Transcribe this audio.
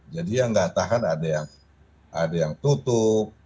jadi yang nggak tahan ada yang tutup